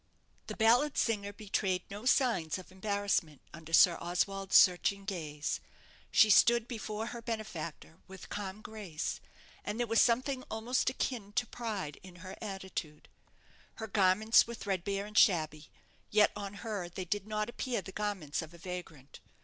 The ballad singer betrayed no signs of embarrassment under Sir Oswald's searching gaze. She stood before her benefactor with calm grace; and there was something almost akin to pride in her attitude. Her garments were threadbare and shabby: yet on her they did not appear the garments of a vagrant.